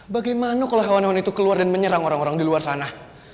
bagaimana kalau hewan hewan itu keluar dan menyerang orang orang di luar sana